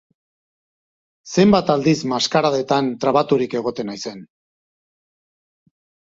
Zenbait aldiz, maskaradetan, trabaturik egoten naizen.